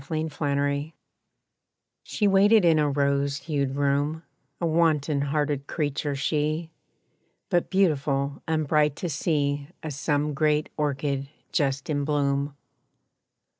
=Transformation= She waited in a rose hued room; A wanton hearted creature she, But beautiful and bright to see As some great orchid just in bloom.